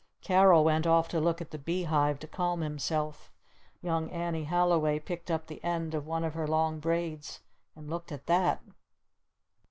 Carol went off to look at the bee hive to calm himself. Young Annie Halliway picked up the end of one of her long braids and looked at that.